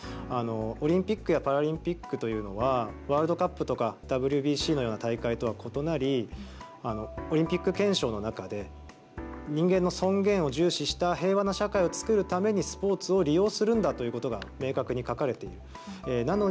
オリンピックやパラリンピックというのはワールドカップとかＷＢＣのような大会とは異なりオリンピック憲章の中で人間の尊厳を重視した平和な社会を作るためにスポーツを利用するんだということが明確に書かれている。